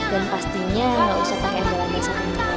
dan pastinya tidak usah pakai belanda seperti itu